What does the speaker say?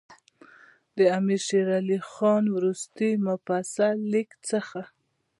د امیر شېر علي خان وروستي مفصل لیک څخه.